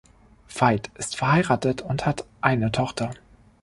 Veit ist verheiratet und hat eine Tochter.